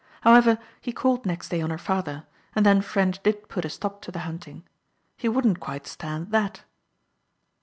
However, he called next day on her father, and then Ffrench did put a stop to the hunting. He wouldn't quite stand that."